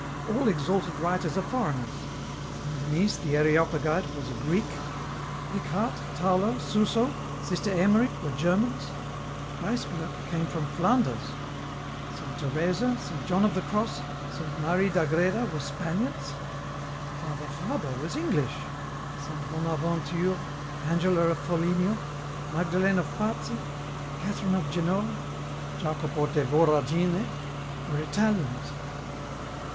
" All exalted writers are foreigners. Saint Denys the Areopagite was a Greek ; Eckhart, Tauler, Suso, Sister Emmerich, were Germans ; Ruysbrock came from Flanders ; Saint Teresa, Saint John of the Cross, Saint Marie d'Agreda, were Spaniards ; Father Faber was English ; Saint Bonaventure, Angela of Foligno, Magdalen of Pazzi, Catherine of Genoa, Jacopo de Voragine, were Italians.